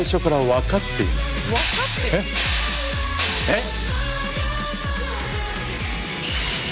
えっ？